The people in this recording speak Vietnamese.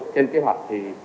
trên kế hoạch thì